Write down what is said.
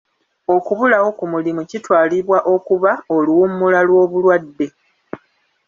Okubulawo ku mulimu kitwalibwa okuba oluwummula lw'obulwadde.